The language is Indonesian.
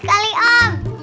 saya lihat sekali om